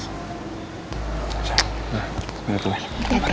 sayang nah kembali ke lu